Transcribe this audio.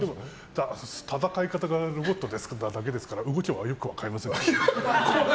戦い方がロボットなだけですから動きはよく分かりません。